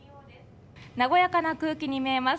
和やかな空気に見えます。